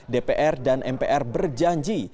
dpr dan mpr berjanji